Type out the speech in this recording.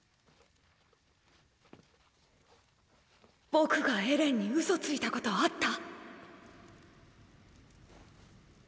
僕がエレンにウソついたことあった？